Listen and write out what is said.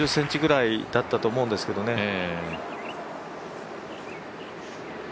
５０ｃｍぐらいだったと思うんですけどね。